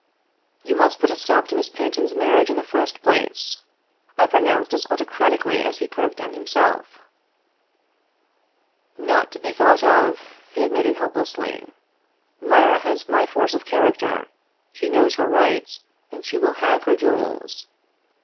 " You must put a stop to Miss Panton's marriage in the first place," I pronounced as autocratically as he could have done himself. " Not to be thought of," he admitted helplessly. " Mira has my force of character. She knows her rights, and she will have her jewels.